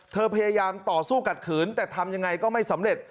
พยายามต่อสู้ขัดขืนแต่ทำยังไงก็ไม่สำเร็จ